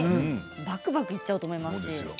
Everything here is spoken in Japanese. ばくばくいっちゃうと思いますよ。